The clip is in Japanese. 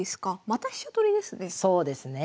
また飛車取りですね。